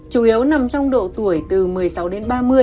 chủ yếu nằm trong độ tuổi từ một mươi sáu đến ba mươi